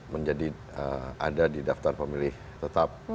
menjadi ada di daftar pemilih tetap